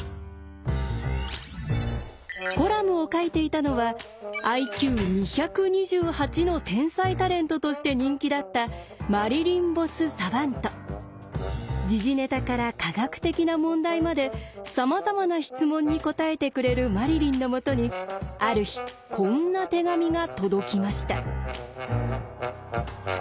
コラムを書いていたのはＩＱ２２８の天才タレントとして人気だった時事ネタから科学的な問題までさまざまな質問に答えてくれるマリリンのもとにある日こんな手紙が届きました。